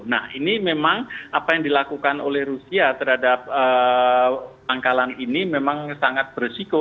nah ini memang apa yang dilakukan oleh rusia terhadap pangkalan ini memang sangat beresiko